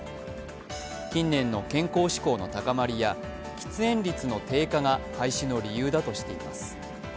近年の健康志向の高まりや喫煙率の低下が廃止の理由だとしています。